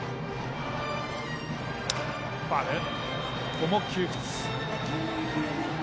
ここも窮屈。